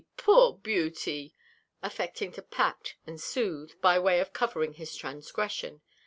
poor Beauty!" affecting to pat and soothe, by way of covering his transgression.